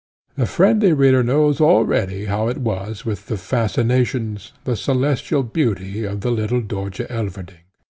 The friendly reader knows already how it was with the fascinations, the celestial beauty, of the little Dörtje Elverdink.